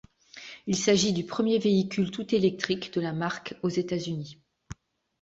Il s'agit du premier véhicule tout-électrique de la marque aux États-Unis.